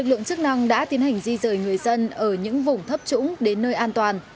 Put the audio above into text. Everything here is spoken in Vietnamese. nguyện chức năng đã tiến hành di rời người dân ở những vùng thấp trũng đến nơi an toàn